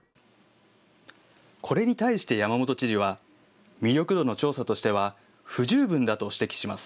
これに対して山本知事は、魅力度の調査としては、不十分だと指摘します。